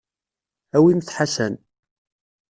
Awimt Ḥasan.